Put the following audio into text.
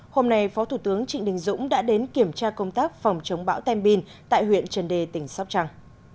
hôm nay phó thủ tướng trịnh đình dũng đã đến kiểm tra công tác phòng chống bão tem bin tại huyện trần đề tỉnh sóc trăng